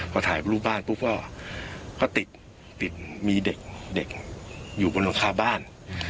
พอถ่ายรูปบ้านปุ๊บก็ติดมีเด็กอยู่บนหลังคาบ้าน